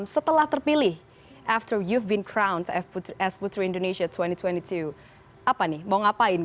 setelah terpilih setelah anda diperkosa sebagai putri indonesia dua ribu dua puluh dua apa nih mau ngapain